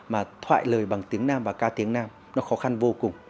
mà thoại lời bằng tiếng nam và ca tiếng nam nó khó khăn vô cùng